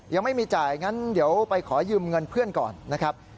ยังไม่มีจ่ายงั้นเดี๋ยวไปขอยืมเงินเพื่อนก่อนนะครับ